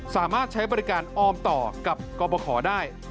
สามารถใช้บริการออมต่อกับกรบขอได้